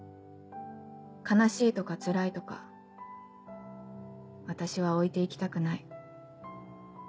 悲しいとかつらいとか私は置いて行きたくない」。